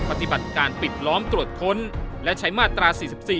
ปฏิบัติการปิดล้อมตรวจค้นและใช้มาตรา๔๔